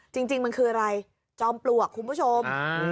จริงมันคืออะไรจอมปลวกคุณผู้ชม